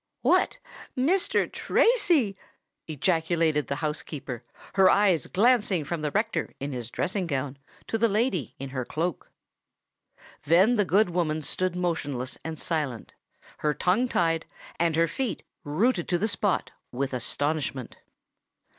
"What! Mr. Tracy?" ejaculated the housekeeper, her eyes glancing from the rector in his dressing gown to the lady in her cloak. Then the good woman stood motionless and silent—her tongue tied, and her feet rooted to the spot, with astonishment.